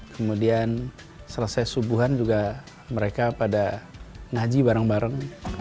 kemudian selesai subuhan juga mereka pada ngaji bareng bareng